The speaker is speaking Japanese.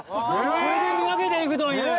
これで見分けていくという。